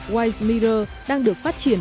white mirror đang được phát triển